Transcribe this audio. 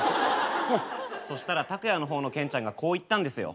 そしたらタクヤの方のケンちゃんがこう言ったんですよ。